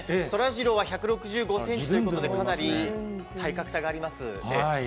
そらジローは１６５センチということで、かなり、体格差があります。